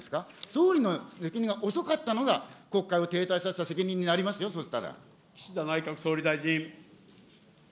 総理の責任が遅かったのが国会を停滞させた責任になりますよ、そ岸田内閣総理大臣。